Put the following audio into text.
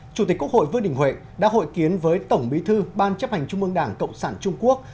chủ tịch quốc hội vương đình huệ đã hội kiến với tổng bí thư ban chấp hành trung mương đảng cộng sản trung quốc